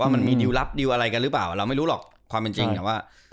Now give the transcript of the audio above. มันมีดิวลับดิวอะไรกันหรือเปล่าเราไม่รู้หรอกความเป็นจริงว่า